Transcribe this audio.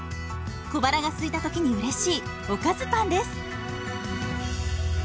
小腹がすいた時にうれしいおかずパンです。